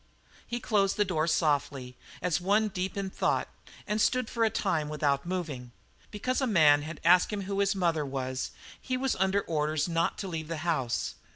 He closed the door softly, as one deep in thought, and stood for a time without moving. Because a man had asked him who his mother was, he was under orders not to leave the house.